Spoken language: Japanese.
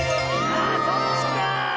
あそっちか！